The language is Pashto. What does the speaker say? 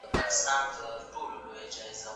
بايد د انسانانو پر اړيکو ژور فکر وکړو.